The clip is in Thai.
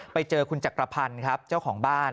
ไปเจอคุณจักรพันธ์ครับเจ้าของบ้าน